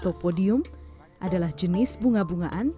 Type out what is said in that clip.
sampai jumpa di video selanjutnya